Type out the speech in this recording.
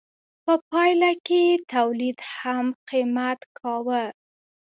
په پایله کې یې تولید هم قیمت کاوه.